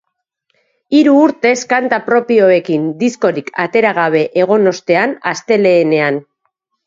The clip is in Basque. Hiru urtez kanta propioekin diskorik atera gabe egon ostean, astelehenean.